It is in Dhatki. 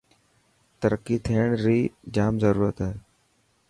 ترقي ٿيڻ ري جام ضرورت هي.